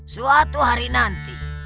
suatu hari nanti